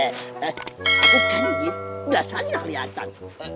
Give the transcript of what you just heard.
kanjik gak saja kelihatan